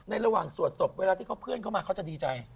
ระหว่างสวดศพเวลาที่เขาเพื่อนเข้ามาเขาจะดีใจ